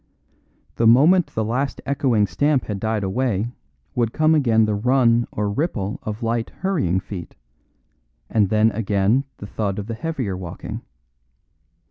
The moment the last echoing stamp had died away would come again the run or ripple of light, hurrying feet, and then again the thud of the heavier walking.